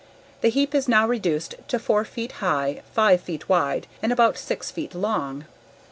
The heap is now reduced to four feet high, five feet wide, and about six feet long.